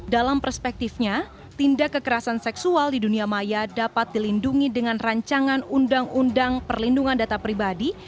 dalam perspektifnya tindak kekerasan seksual di dunia maya dapat dilindungi dengan rancangan undang undang perlindungan data pribadi